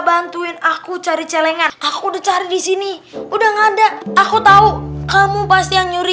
bantuin aku cari celengan aku udah cari di sini udah ngada aku tahu kamu pasti yang nyuri